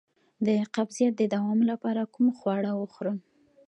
د قبضیت د دوام لپاره کوم خواړه وخورم؟